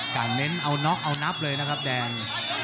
เน้นเอาน็อกเอานับเลยนะครับแดง